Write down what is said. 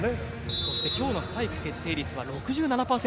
そして今日のスパイク決定率は６７％。